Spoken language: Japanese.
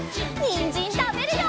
にんじんたべるよ！